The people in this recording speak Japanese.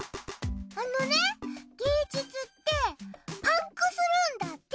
あのね芸術ってパンクするんだって！